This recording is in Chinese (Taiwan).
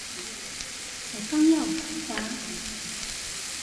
才剛要出發